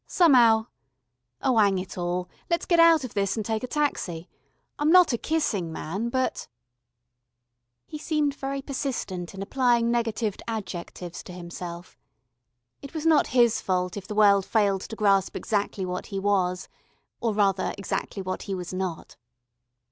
Some'ow oh, 'ang it all, let's get out of this and take a taxi. I'm not a kissing man, but " He seemed very persistent in applying negatived adjectives to himself. It was not his fault if the world failed to grasp exactly what he was, or rather exactly what he was not.